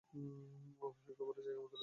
ওহ, একেবারে জায়গামতো লেগেছে।